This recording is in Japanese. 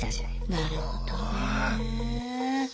なるほどね。